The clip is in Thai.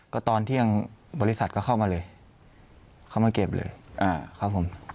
ก็ตอนเที่ยงบริษัทก็เข้ามาเลยเข้ามาเก็บเลยครับผม